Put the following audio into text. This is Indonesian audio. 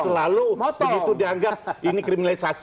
selalu begitu dianggap ini kriminalisasi